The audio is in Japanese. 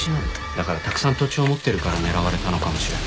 だからたくさん土地を持ってるから狙われたのかもしれない。